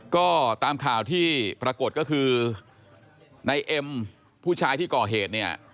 ก็ตามข่าวที่ปรากฏก็คือในเอ็มผู้ชายที่ก่อเหตุเนี่ย